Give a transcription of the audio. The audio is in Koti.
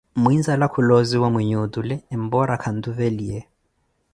Muinzala khuloziwa mwinhe otule, empora khantuveliye